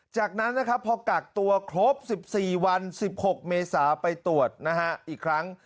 จากนั้นนะครับพอกักตัวครบ๑๔วัน๑๖เมษาไปตรวจนะฮะอีกครั้ง